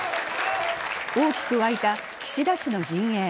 大きく沸いた岸田氏の陣営。